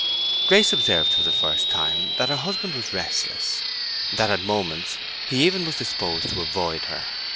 Grace observed, for the first time, that her husband was restless, that at moments he even was disposed to avoid her.